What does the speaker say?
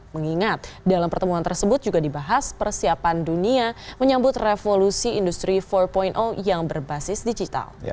mengingat dalam pertemuan tersebut juga dibahas persiapan dunia menyambut revolusi industri empat yang berbasis digital